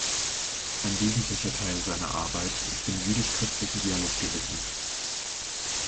Ein wesentlicher Teil seiner Arbeit ist dem jüdisch-christlichen Dialog gewidmet.